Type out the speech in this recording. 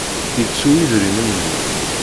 Yettu idrimen-nni.